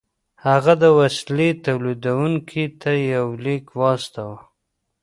هغه د وسيلې توليدوونکي ته يو ليک واستاوه.